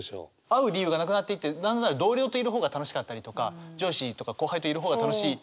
会う理由がなくなっていってなんなら同僚といる方が楽しかったりとか上司とか後輩といる方が楽しい。